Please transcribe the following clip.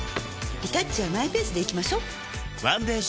リタッチはマイペースでいきましょっワンデー